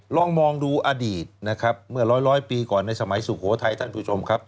ลองมองดูอดีตนะครับเมื่อร้อยปีก่อนในสมัยสุโขทัยท่านผู้ชมครับ